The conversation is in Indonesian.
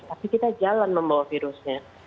tapi kita jalan membawa virusnya